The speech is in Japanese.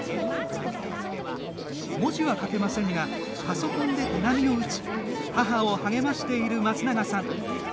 文字は書けませんがパソコンで手紙を打ち母を励ましている松永さん。